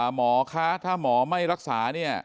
หมอคะถ้าหมอไม่รักษา